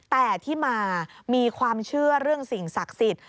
แต่ที่มามีความเชื่อเรื่องสิ่งศักดิ์สิทธิ์